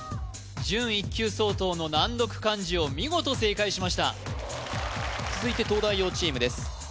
準１級相当の難読漢字を見事正解しました続いて東大王チームです